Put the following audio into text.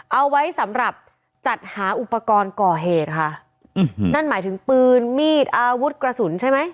เอาไว้สำหรับจัดหาอุปกรณ์ก่อเหตุค่ะอืมนั่นหมายถึงปืนมีดอาวุธกระสุนใช่ไหม